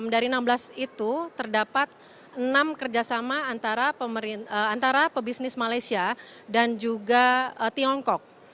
dari enam belas itu terdapat enam kerjasama antara pebisnis malaysia dan juga tiongkok